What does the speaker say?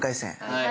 はい！